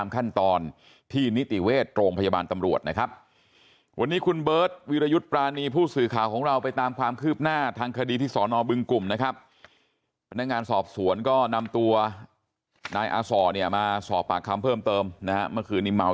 ก็นำตัวนายอาส่อเนี่ยมาสอบปากค้ำเพิ่มเติมนะครับเมื่อคืนนี้เหมานะ